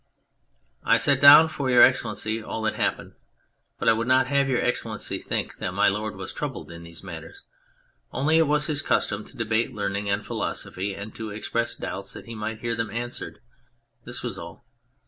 I set down for Your Excellency all that happened, but I would not have Your Excellency think that My Lord was troubled in these matters ; only it was his custom to debate learning and philosophy and to express doubts that he might hear them answered : this was all.